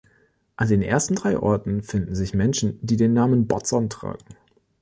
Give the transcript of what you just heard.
An den ersten drei Orten finden sich Menschen, die den Namen Botzon tragen.